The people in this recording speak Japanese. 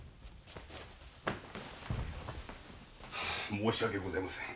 申し訳ございません。